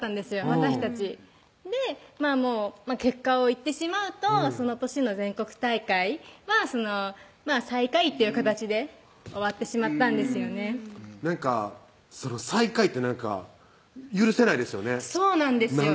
私たちもう結果を言ってしまうとその年の全国大会は最下位という形で終わってしまったんですよねなんか最下位ってなんか許せないですよねそうなんですよ